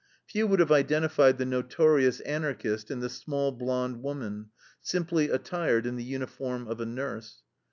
Few would have identified the "notorious Anarchist" in the small blonde woman, simply attired in the uniform of a nurse.